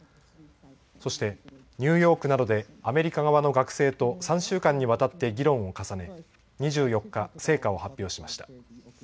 そしてニューヨークなどでアメリカ側の学生と３週間にわたって議論を重ね２４日、成果を発表しました。